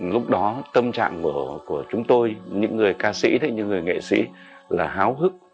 lúc đó tâm trạng mở của chúng tôi những người ca sĩ những người nghệ sĩ là háo hức